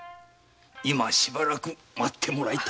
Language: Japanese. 今しばらく待ってもらいたい。